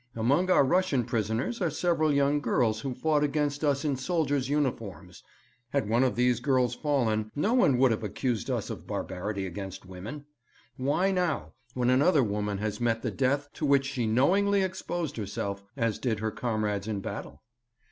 Among our Russian prisoners are several young girls who fought against us in soldiers' uniforms. Had one of these girls fallen, no one would have accused us of barbarity against women. Why now, when another woman has met the death to which she knowingly exposed herself, as did her comrades in battle?